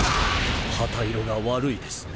旗色が悪いですね。